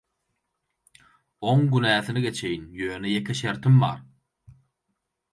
Оň günäsini gеçеýin, ýönе ýekе şеrtim bar.